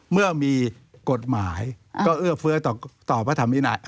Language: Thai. เมื่อมีกฎหมายก็เอื้อเฟื้อต่อพระธรรมวินัย